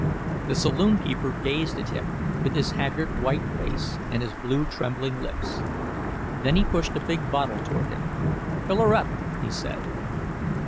The saloon keeper gazed at him, with his haggard white face and his blue trembling lips. Then he pushed a big bottle toward him. "Fill her up!" he said.